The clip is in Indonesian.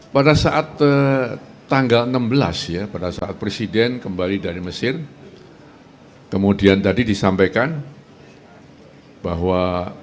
pada saat tanggal enam belas ya pada saat presiden kembali dari mesir kemudian tadi disampaikan bahwa